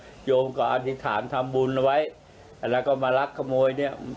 โยมก็อธิษฐานทำบุญไว้แล้วก็มาลักขโมยเนี่ย